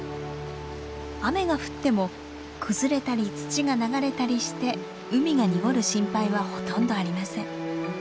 雨が降っても崩れたり土が流れたりして海が濁る心配はほとんどありません。